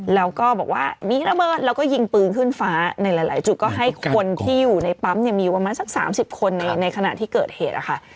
แล้วก็บอกว่ามีระเบิดแล้วก็ยิงปืนขึ้นฟ้าในหลายจุดก็ให้คนที่อยู่ในปั๊มเนี่ยมีอยู่ประมาณสัก๓๐คนในขณะที่เกิดเหตุนะคะ